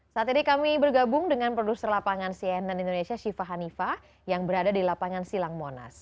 saat ini kami bergabung dengan produser lapangan cnn indonesia syifa hanifah yang berada di lapangan silang monas